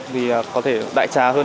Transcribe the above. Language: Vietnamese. vì có thể đại trà hơn